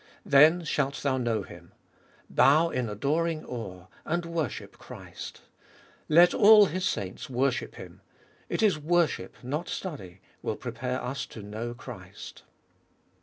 Then shalt thou know Him. Bow in adoring awe, and worship Christ. "Let all His saints worship Him. /t is worship, not study, will prepare us to know Christ.'